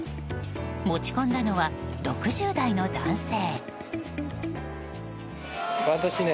持ち込んだのは６０代の男性。